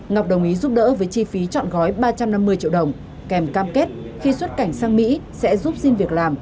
ngọc đồng ý giúp đỡ với chi phí chọn gói ba trăm năm mươi triệu đồng kèm cam kết khi xuất cảnh sang mỹ sẽ giúp xin việc làm